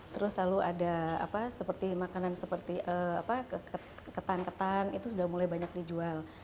terus lalu ada seperti makanan seperti ketan ketan itu sudah mulai banyak dijual